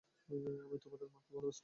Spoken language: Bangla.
আমি তোমার মাকে ভালবাসতাম।